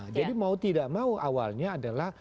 jadi mau tidak mau awalnya adalah